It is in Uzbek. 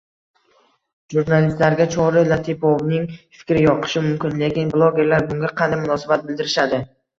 Jurnalistlarga Chori Latipovning fikri yoqishi mumkin, lekin bloggerlar bunga qanday munosabat bildirishadi?